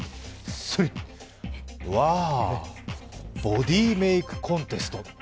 わあ、ボディメイクコンテスト。